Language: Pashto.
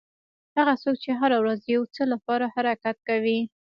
هغه څوک چې هره ورځ د یو څه لپاره حرکت کوي.